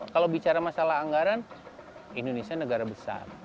kalau bicara masalah anggaran indonesia negara besar